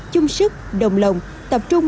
chung sức đồng lòng tập trung